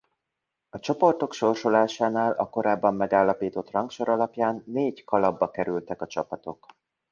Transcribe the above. A csoportok sorsolásánál a korábban megállapított rangsor alapján négy kalapba kerültek a csapatok.